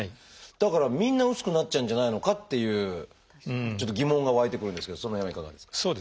だからみんな薄くなっちゃうんじゃないのかっていうちょっと疑問が湧いてくるんですけどその辺はいかがですか？